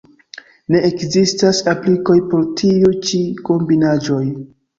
Ne ekzistas aplikoj por tiuj ĉi kombinaĵoj.